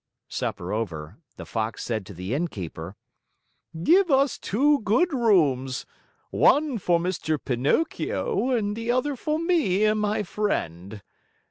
Supper over, the Fox said to the Innkeeper: "Give us two good rooms, one for Mr. Pinocchio and the other for me and my friend.